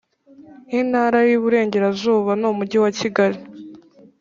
Intara y Uburengerazuba nUmujyi waKigali